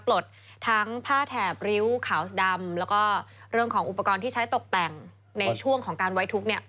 ปลดทั้งผ้าแถบริ้วขาวดำแล้วก็เรื่องของอุปกรณ์ที่ใช้ตกแต่งในช่วงของการไว้ทุกข์เนี่ย